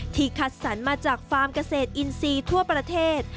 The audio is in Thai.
ที่ขัดสรรมาจากฟาร์มเกษตรอินซีทั่วประเทศ